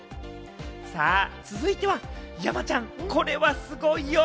続いては、山ちゃん、これはすごいよ。